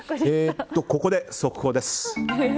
ここで速報です。